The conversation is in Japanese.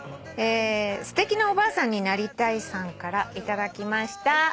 すてきなお婆さんになりたいさんから頂きました。